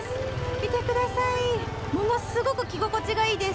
見てください、ものすごく着心地がいいです。